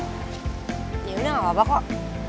yaudah gak apa apa kok